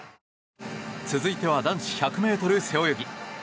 続いては男子１００ｍ背泳ぎ。